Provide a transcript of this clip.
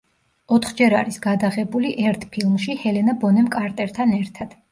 ოთხჯერ არის გადაღებული ერთ ფილმში ჰელენა ბონემ კარტერთან ერთად.